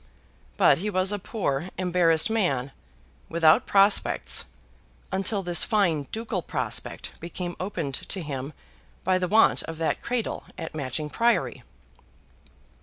But he was a poor, embarrassed man, without prospects, until this fine ducal prospect became opened to him by the want of that cradle at Matching Priory.